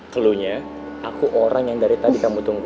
kelunya aku orang yang dari tadi kamu tunggu